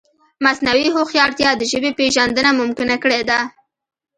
مصنوعي هوښیارتیا د ژبې پېژندنه ممکنه کړې ده.